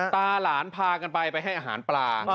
หลานพากันไปไปให้อาหารปลา